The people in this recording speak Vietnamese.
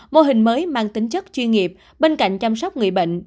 mô hình mới mang tính chất chuyên nghiệp bên cạnh chăm sóc người bệnh